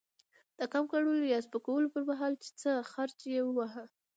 د کم ګڼلو يا سپکولو پر مهال؛ چې څه خرج يې وواهه.